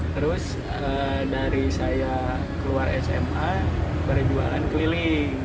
terus dari saya keluar sma berjualan keliling